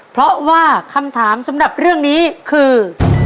เพราะว่าคำถามสำหรับเรื่องนี้คือ